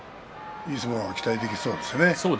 いい相撲が期待できそうですね。